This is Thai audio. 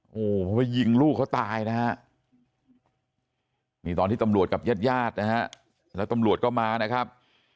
โหไปยิงลูกเขาตายนะฮะมีตอนที่ตำรวจกลับเย็ดนะฮะแล้วตำรวจก็มานะครับ